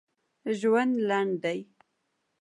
ژوند لنډ دی